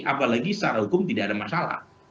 apalagi secara hukum tidak ada masalah